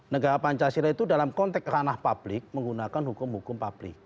negara pancasila itu dalam konteks ranah publik menggunakan hukum hukum publik